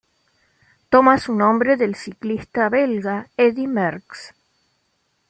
Toma su nombre del ciclista belga Eddy Merckx.